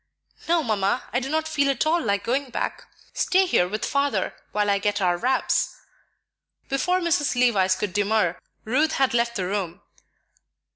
"No, Mamma; I do not feel at all like going back. Stay here with Father while I get our wraps." Before Mrs. Levice could demur, Ruth had left the room.